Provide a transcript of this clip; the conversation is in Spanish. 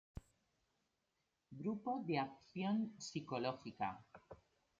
Grupo de Acción Psicológica.